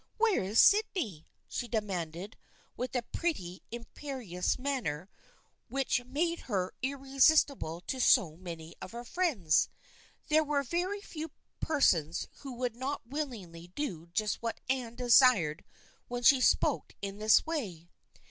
" Where is Sydney ?" she demanded, with the pretty, imperious manner which made her irresist ible to so many of her friends. There were very few persons who would not willingly do just what Anne desired when she spoke in this way.